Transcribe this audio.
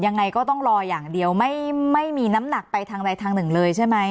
ยังไงก็ต้องรออย่างเดียวไม่มีน้ำหนักไปทางใดทางหนึ่งเลยใช่ไหม